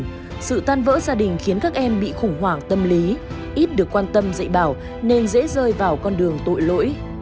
nhưng sự tan vỡ gia đình khiến các em bị khủng hoảng tâm lý ít được quan tâm dạy bảo nên dễ rơi vào con đường tội lỗi